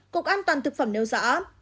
cục an toàn thực phẩm nêu rõ